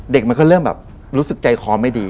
เด็กมันก็เริ่มรู้สึกใจคอไม่ดี